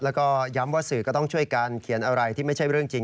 แล้วก็ย้ำว่าสื่อก็ต้องช่วยการเขียนอะไรที่ไม่ใช่เรื่องจริง